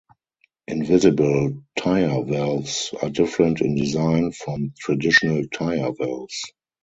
Invisible tire valves are different in design from traditional tire valves.